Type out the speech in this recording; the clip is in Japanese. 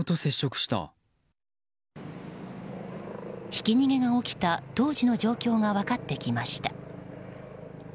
ひき逃げが起きた当時の状況が分かってきました。